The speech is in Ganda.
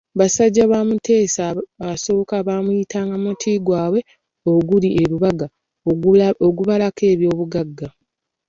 Basajja ba Mutesa I baamuyitanga muti gwabwe oguli e Lubaga ogabalako eby'obugagga.